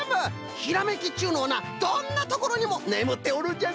ひらめきっちゅうのはなどんなところにもねむっておるんじゃぞ。